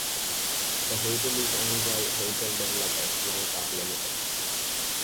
The hotel is owned by Hotel Developers (Lanka) Ltd.